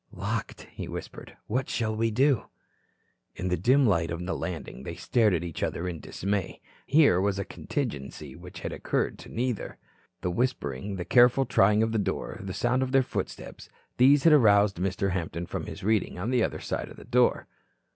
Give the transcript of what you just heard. "Locked," he whispered. "What shall we do?" In the dim light on the landing, they stared at each other in dismay. Here was a contingency which had occurred to neither. The whispering, the careful trying of the door, the sound of their footsteps these had aroused Mr. Hampton from his reading on the other side of the door.